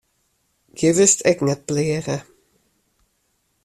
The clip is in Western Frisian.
Hjir wurdst ek net pleage.